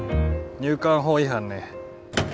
入管法違反ね。